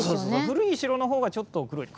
古い城の方が、ちょっと黒い。